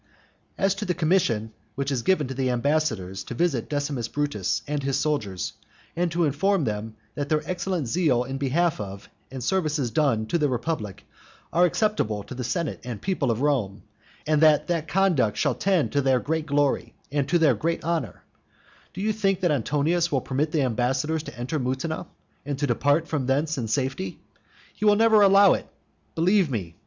As to the commission which is given to the ambassadors to visit Decimus Brutus and his soldiers, and to inform them that their excellent zeal in behalf of, and services done to the republic, are acceptable to the senate and people of Rome, and that that conduct shall tend to their great glory and to their great honour; do you think that Antonius will permit the ambassadors to enter Mutina? and to depart from thence in safety? He never will allow it, believe me.